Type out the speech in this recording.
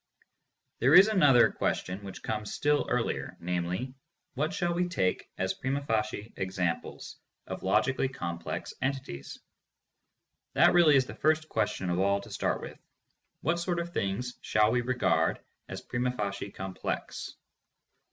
There is another question which comes still earlier, namely: what shall we take as prima facie examples of logically complex entities ? That really is the first question of all to start with. What sort of things shall we regard as prima facie complex?